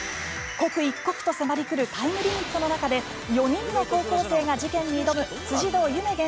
刻一刻と迫り来るタイムリミットの中で４人の高校生が事件に挑む辻堂ゆめ